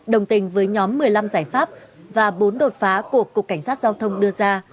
đồng tình với nhóm một mươi năm giải pháp và bốn đột phá của cục cảnh sát giao thông đưa ra